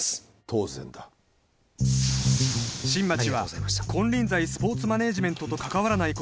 当然だ新町は金輪際スポーツマネージメントと関わらない